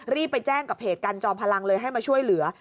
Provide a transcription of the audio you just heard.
รีบไปแจ้งกับเพจกันจอมพลังเลยให้มาช่วยเหลือ